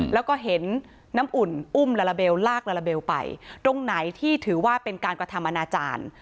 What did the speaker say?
แล้วก็เห็นน้ำอุ่นอุ้มลาลาเบลลากลาลาเบลไปตรงไหนที่ถือว่าเป็นการกระทำอนาจารย์